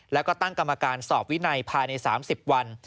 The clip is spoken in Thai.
แล้วก็ตั้งกรรมการสอบวินัยภายใน๓๐วัน